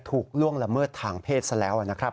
ล่วงละเมิดทางเพศซะแล้วนะครับ